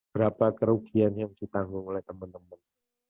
berapa kerugian yang ditanggung oleh teman teman